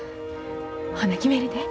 ほな決めるで。